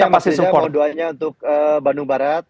mohon doanya untuk bandung barat